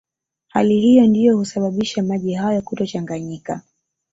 Hali hiyo ndiyo husababisha maji hayo kutochanganyika